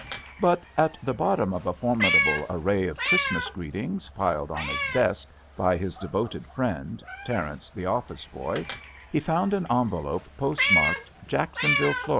But, at the bottom of a formidable array of Christmas greetings piled on his desk by his devoted friend, Terence, the office boy, he found an envelope postmarked "Jacksonville, Fla.